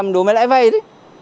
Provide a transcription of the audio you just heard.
một đối với lãi vay đấy